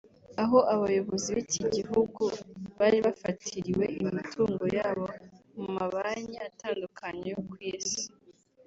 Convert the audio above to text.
aho abayobozi b’iki gihugu bari bafatiriwe imitungo yabo mu mabanki atandukanye yo ku isi